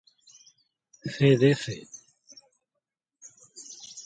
cdc